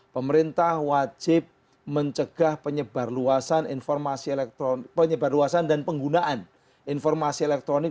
pemerintah wajib mencegah penyebar luasan dan penggunaan informasi elektronik